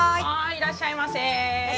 いらっしゃいませ。